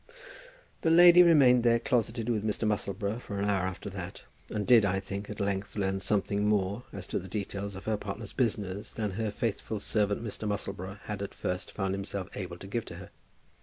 The lady remained there closeted with Mr. Musselboro for an hour after that, and did, I think, at length learn something more as to the details of her partner's business, than her faithful servant Mr. Musselboro had at first found himself able to give to her.